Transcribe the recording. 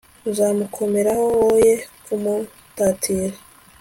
uzamukomereho, woye kumutatira